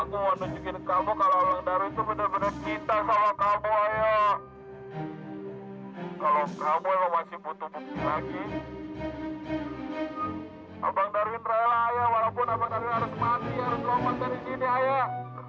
aku mau tunjukin kamu kalau abang darwin itu benar benar kita sama kamu ayah